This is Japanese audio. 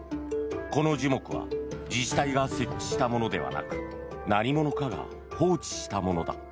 この樹木は自治体が設置したものではなく何者かが放置したものだ。